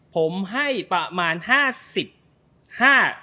ผมให้ประมาณ๕๕อ่า